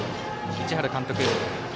市原監督。